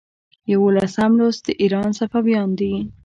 یوولسم لوست د ایران صفویان دي.